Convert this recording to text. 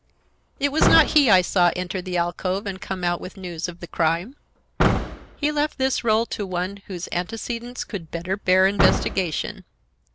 It was not he I saw enter the alcove and come out with news of the crime. He left this role to one whose antecedents could better bear investigation.